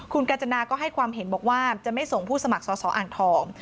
คุณกาญจนาก็ให้ความเห็นบอกว่าจะไม่ส่งผู้สมัครสอสออ่างทอง